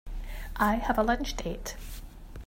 I have a lunch date.